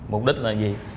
mục đích là gì